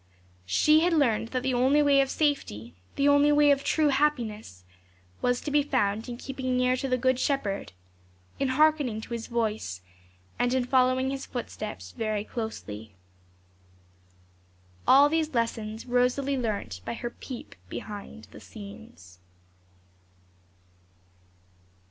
She had learned that the only way of safety, the only way of true happiness, was to be found in keeping near to the Good Shepherd, in hearkening to His voice, and in following His footsteps very closely. All these lessons Rosalie learnt by her PEEP BEHIND THE SCENES.